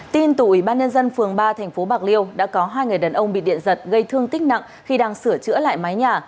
tin từ ủy ban nhân dân phường ba tp bạc liêu đã có hai người đàn ông bị điện giật gây thương tích nặng khi đang sửa chữa lại mái nhà